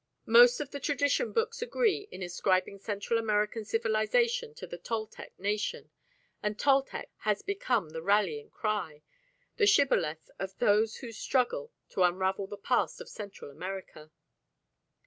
Most of the tradition books agree in ascribing Central American civilisation to the Toltec nation, and "Toltec" has become the rallying cry, the shibboleth of those who struggle to unravel the past of Central America.